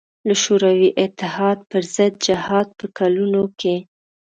له شوروي اتحاد پر ضد جهاد په کلونو کې.